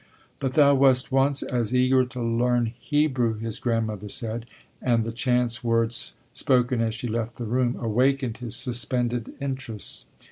But thou wast once as eager to learn Hebrew, his grandmother said, and the chance words, spoken as she left the room, awakened his suspended interests.